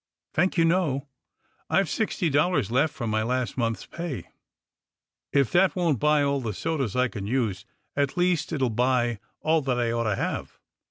"Thank you, no. I've sixty dollars left from my last month's pay. If that won't buy all the sodas I can use, at least it will buy all that I ought to have."